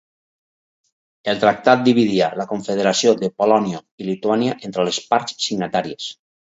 El tractat dividia la Confederació de Polònia i Lituània entre les parts signatàries.